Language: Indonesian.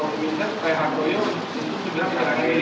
pemerintah dari hartoyo itu sudah berangkir